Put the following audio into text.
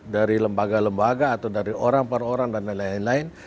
dari lembaga lembaga atau dari orang per orang dan lain lain